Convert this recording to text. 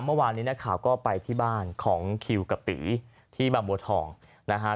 เมื่อวานนี้นักข่าวก็ไปที่บ้านของคิวกับปีที่บางบัวทองนะฮะ